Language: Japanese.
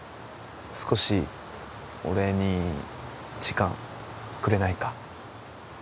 少し俺に時間くれないか？